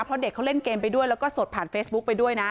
เพราะเด็กเขาเล่นเกมไปด้วยแล้วก็สดผ่านเฟซบุ๊คไปด้วยนะ